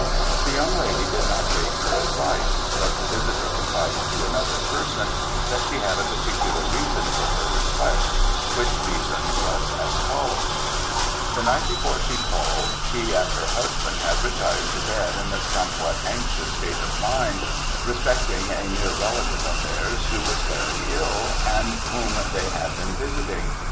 The young lady did not take her advice; but the visitor confided to another person that she had a particular reason for her request, which reason was as follows: "The night before she called, she and her husband had retired to bed in a somewhat anxious state of mind respecting a near relative of theirs, who was very ill, and whom they had been visiting.